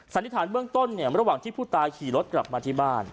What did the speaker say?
สันนิษฐานเบื้องต้นเนี่ยระหว่างที่ผู้ตายขี่รถกลับมาที่บ้าน